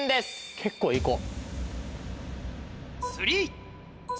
結構行こう。